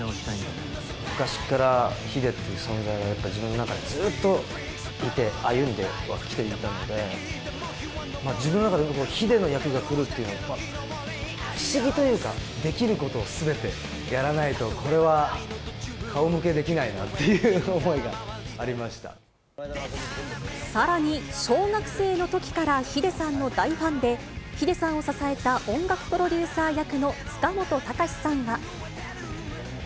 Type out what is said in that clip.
昔からｈｉｄｅっていう存在はやっぱ自分の中でずっといて、歩んではきていたので、自分の中でｈｉｄｅの役が来るっていうのは、不思議というか、できることをすべてやらないと、これは顔向けできないなっていうさらに、小学生のときからｈｉｄｅさんの大ファンで、ｈｉｄｅさんを支えた音楽プロデューサー役の塚本高史さんは。